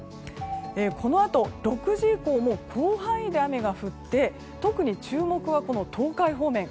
このあと６時以降も広範囲で雨が降って特に注目は東海方面。